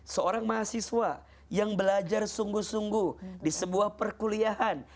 seorang mahasiswa yang belajar sungguh sungguh di sebuah perkuliahan